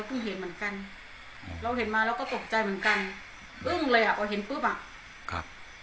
อึ้งเลยอ่ะเราเห็นปึ๊บอ่ะ